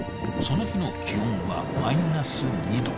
その日の気温はマイナス２℃。